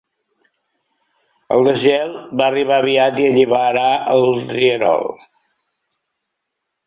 El desgel va arribar aviat i alliberar el rierol.